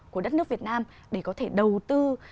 của đất nước việt nam để có thể đầu tư